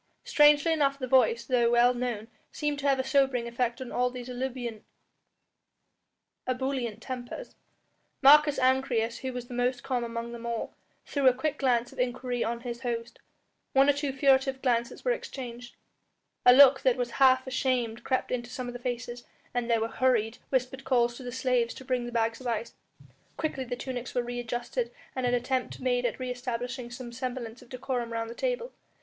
Strangely enough the voice, though well known, seemed to have a sobering effect on all these ebullient tempers. Marcus Ancyrus, who was the most calm among them all, threw a quick glance of inquiry on his host, one or two furtive glances were exchanged, a look that was half ashamed crept into some of the faces, and there were hurried, whispered calls to the slaves to bring the bags of ice. Quickly the tunics were re adjusted and an attempt made at re establishing some semblance of decorum round the table.